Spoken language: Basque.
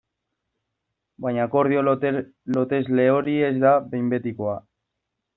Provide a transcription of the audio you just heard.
Baina akordio lotesle hori ez da behin betikoa.